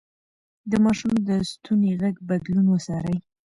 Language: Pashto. د ماشوم د ستوني غږ بدلون وڅارئ.